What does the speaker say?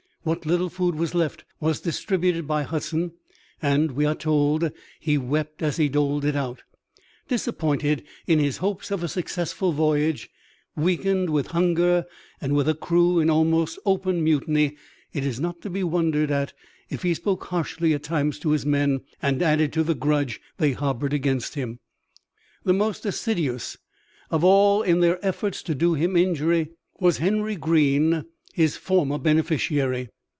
What little food was left was distributed by Hudson, and, we are told, he wept as he doled it out. Disappointed in his hopes of a successful voyage, weakened with hunger and with a crew in almost open mutiny, it is not to be wondered at if he spoke harshly at times to his men and added to the grudge they harbored against him. The most assiduous of all in their efforts to do him injury was Henry Greene, his former beneficiary.